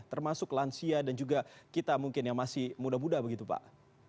termasuk lansia dan juga kita mungkin yang masih muda muda begitu pak